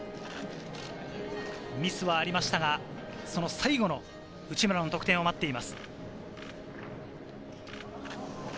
ミスはありましたが、その最後の内村の得点を待っています。